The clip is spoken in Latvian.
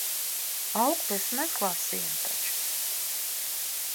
Auklu es mezglā sienu taču.